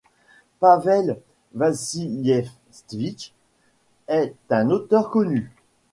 Pavel Vassiliévitch est un auteur connu.